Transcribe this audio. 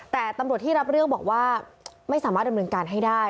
แต่ตำรวจที่รับเรื่องบอกว่าไม่สามารถดำเนินการให้ได้